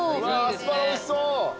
アスパラおいしそう。